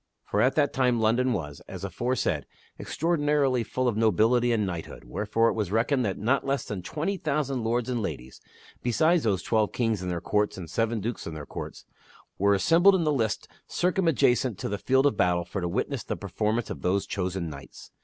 For at that time London was, as aforesaid, extraor dinarily full of nobility and knighthood, wherefore it was reckoned that not less than twenty thousand lords and ladies (besides those twelve kings and their courts and seven dukes and their courts) were assembled in the lists circumadjacent to the field of battle for to witness the performance of those chosen knights.